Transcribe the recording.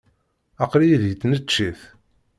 Aql-iyi deg tneččit.